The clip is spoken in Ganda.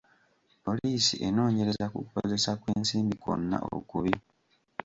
Poliisi enoonyereza ku kukozesa kw'ensimbi kwonna okubi.